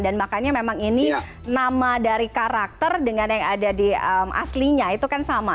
dan makanya memang ini nama dari karakter dengan yang ada di aslinya itu kan sama